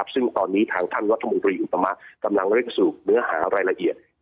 ซึ่งตอนนี้ทางท่านวัฒนบุรีอุปมาตรกำลังเรียกสู่เนื้อหารายละเอียด